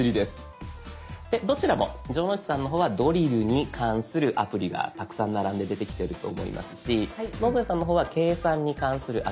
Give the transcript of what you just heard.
でどちらも城之内さんの方はドリルに関するアプリがたくさん並んで出てきてると思いますし野添さんの方は計算に関するアプリがたくさん並んで出てきていると思います。